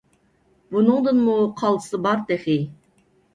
بۇنىڭدىنمۇ قالتىسى بار تېخى!